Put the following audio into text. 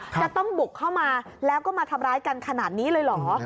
จะต้องบุกเข้ามาแล้วก็มาทำร้ายกันขนาดนี้เลยเหรอ